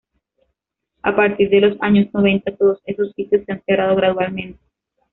A partir de los años noventa, todos esos sitios se han cerrado gradualmente.